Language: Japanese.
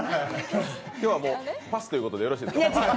今日はもうパスということでよろしいですか？